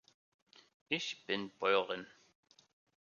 Ich bin Bäuerin.